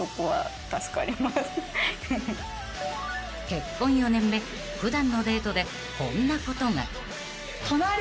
［結婚４年目普段のデートでこんなことが］